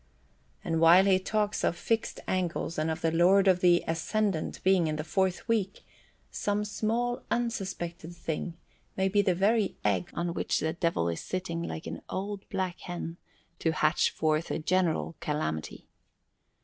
And while he talks of fixed angles and of the Lord of the Ascendant being in the fourth week, some small unsuspected thing may be the very egg on which the Devil is sitting like an old black hen to hatch forth a general calamity.